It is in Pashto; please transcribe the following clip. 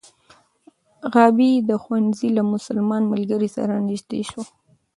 غابي د ښوونځي له مسلمان ملګري سره نژدې شو.